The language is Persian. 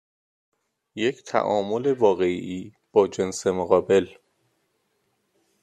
یک تعامل واقعی با جنس مقابل.